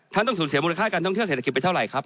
ต้องสูญเสียมูลค่าการท่องเที่ยวเศรษฐกิจไปเท่าไหร่ครับ